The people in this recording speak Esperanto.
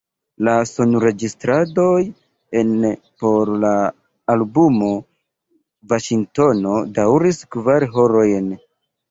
La sonregistradoj en por la albumo Vaŝingtono daŭris kvar horojn.